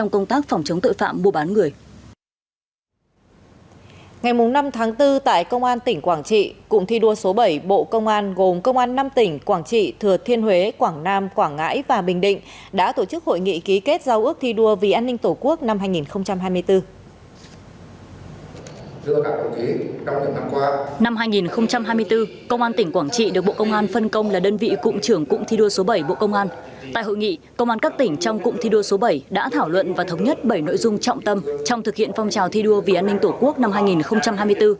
công an các tỉnh trong cụm thi đua số bảy đã thảo luận và thống nhất bảy nội dung trọng tâm trong thực hiện phong trào thi đua vì an ninh tổ quốc năm hai nghìn hai mươi bốn